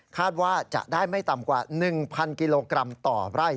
ว่าจะได้ไม่ต่ำกว่า๑๐๐กิโลกรัมต่อไร่